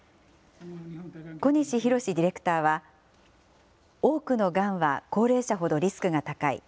小西宏ディレクターは、多くのがんは高齢者ほどリスクが高い。